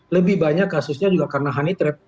lebih banyak kasusnya juga karena honey trap